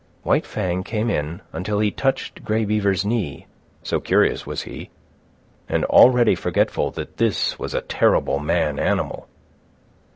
White Fang came in until he touched Grey Beaver's knee, so curious was he, and already forgetful that this was a terrible man animal.